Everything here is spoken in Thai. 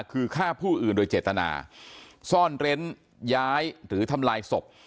คือฆ่าผู้อื่นโดยเจตนาซ่อนเร้นย้ายหรือทำลายศพ